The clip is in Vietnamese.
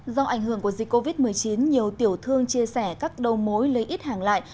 do ảnh hưởng của dịch covid một mươi chín nhiều tiểu thương chia sẻ các đầu mối lấy ít hàng lại